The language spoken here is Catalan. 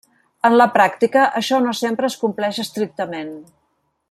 En la pràctica, això no sempre es compleix estrictament.